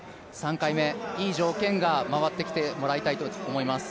３回目、いい条件が回ってきてもらいたいと思います。